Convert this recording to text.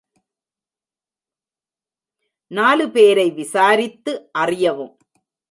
நாலு பேரை விசாரித்து அறியவும்.